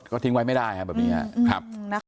ก็ทิ้งไว้ไม่ได้ครับแบบนี้ครับ